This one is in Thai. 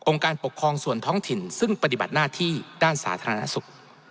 การปกครองส่วนท้องถิ่นซึ่งปฏิบัติหน้าที่ด้านสาธารณสุข